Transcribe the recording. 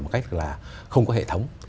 một cách là không có hệ thống